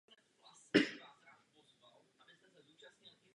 Zde nezačínáme od nuly.